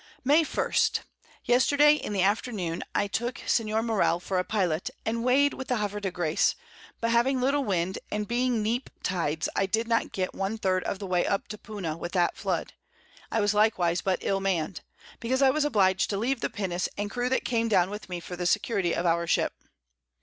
May 1. Yesterday, in the Afternoon, I took Sen. Morell for a Pilot, and weigh'd with the Havre de Grace, but having little Wind, and being neep Tides, I did not get one Third of the Way up to Puna, with that Flood: I was likewise but ill mann'd; because I was obliged to leave the Pinnace and Crew that came down with me for the Security of our Ship.